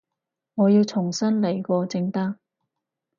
我要重新來過正得